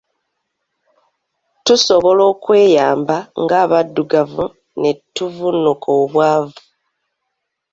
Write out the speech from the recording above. Tusobola okweyamba nga abaddugavu ne tuvvuunuka obwavu.